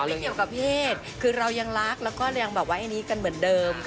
ไม่เกี่ยวกับเพศคือเรายังรักแล้วก็ยังแบบว่าไอ้นี้กันเหมือนเดิม